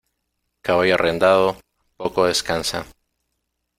Caballo arrendado, poco descansa.